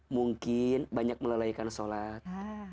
mungkin banyak melalui sholat